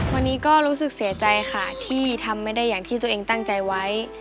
วันนี้ก็รู้สึกเสียใจค่ะที่ทำไม่ได้อย่างที่ตัวเองตั้งใจไว้